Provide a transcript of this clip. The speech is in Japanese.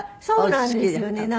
そうなんですよね。